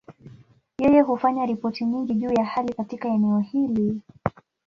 Yeye hufanya ripoti nyingi juu ya hali katika eneo hili.